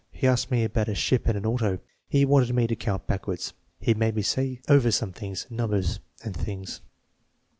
He asked me about a ship and an auto. He wanted me to count backwards. He made me say over some things, numbers and things."